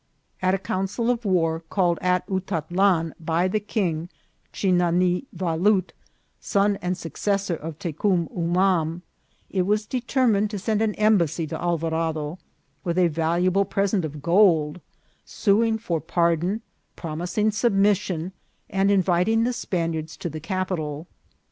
At a council of war called at Utatlan by the king, Chinanivalut, son and successor of Tecum Umam, it was determined to send an embassy to Alva rado, with a valuable present of gold, suing for par don, promising submission, and inviting the Spaniards to the capital.